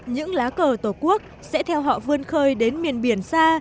những lá cờ tổ quốc sẽ theo họ vươn khơi đến miền biển xa